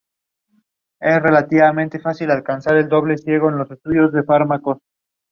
The audio was published digitally by Aditya Music and Mango Music.